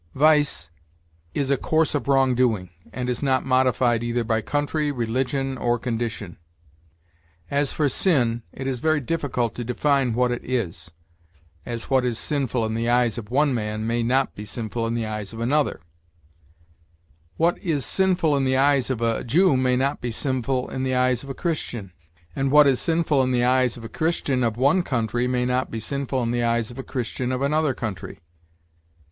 Vice is a course of wrong doing, and is not modified either by country, religion, or condition. As for sin, it is very difficult to define what it is, as what is sinful in the eyes of one man may not be sinful in the eyes of another; what is sinful in the eyes of a Jew may not be sinful in the eyes of a Christian; and what is sinful in the eyes of a Christian of one country may not be sinful in the eyes of a Christian of another country.